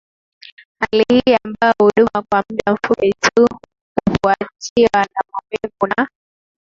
Hali hii ambayo hudumu kwa muda mfupi tu hufuatiwa na maumivu na